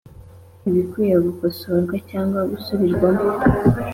ibikwiye gukosorwa cyangwa gusubirwamo